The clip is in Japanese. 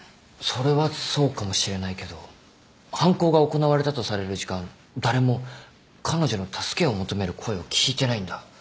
それはそうかもしれないけど犯行が行われたとされる時間誰も彼女の助けを求める声を聞いてないんだ。